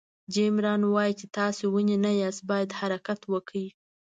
جیم ران وایي چې تاسو ونې نه یاست باید حرکت وکړئ.